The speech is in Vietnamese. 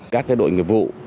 các đội nghiệp vụ